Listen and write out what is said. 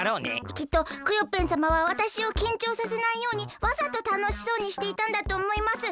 きっとクヨッペンさまはわたしをきんちょうさせないようにわざとたのしそうにしていたんだとおもいます。